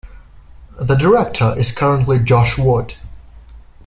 The director is currently Josh Wood.